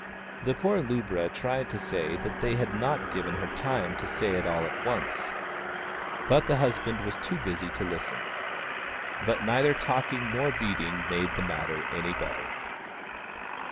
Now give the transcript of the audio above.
The poor lubra tried to say that they had not given her time to say it all at once, but the husband was too busy to Hsten. But neither talking nor beating made the matter any better.